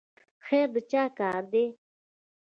خیر د چا کار دی؟